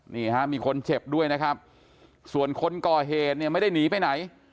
นี่ฮะมีคนเจ็บด้วยนะครับส่วนคนก่อเหตุเนี่ยไม่ได้หนีไปไหน